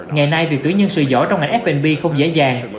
ngày nay việc tuy nhiên sử dõi trong ngành f b không dễ dàng